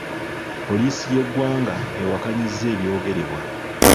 Poliisi y’eggwanga ewakanyizza ebyogerebwa.